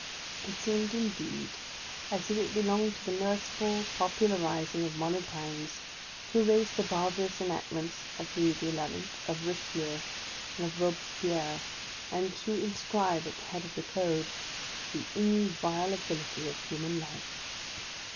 It seemed, indeed, as if it belonged to the merciful popular rising of modern times to erase the bar barous enactments of Louis the Eleventh, of Richelieu, and of Robespierre, and to inscribe at the head of the code, " the inviolability of human life